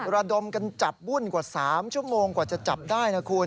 ระดมกันจัดบุ่นกว่า๓ชั่วโมงกว่าจะจัดได้